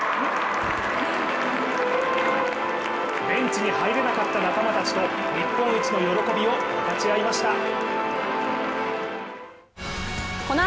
ベンチに入れなかった仲間たちと日本一の喜びを分かち合いました。